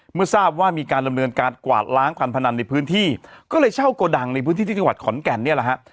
เมื่อทราบว่ามีการดำเนินการกวาดล้างการพนันในพื้นที่ก็เลยเช่าโกดังในพื้นที่ที่จังหวัดขอนแก่นเนี่ยแหละฮะ